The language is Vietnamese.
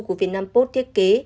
của việt nam post thiết kế